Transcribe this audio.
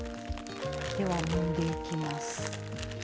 ではもんでいきます。